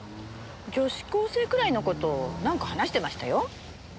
女子高生くらいの子と何か話してましたよ。